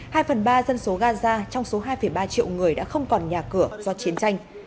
hai phần ba dân số gaza trong số hai ba triệu người đã không còn nhà cửa do chiến tranh